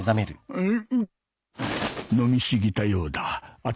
うん？